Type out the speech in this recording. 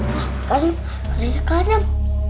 wah karim kerennya karim